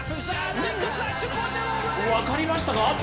分かりましたか？